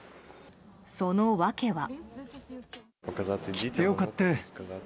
その訳は。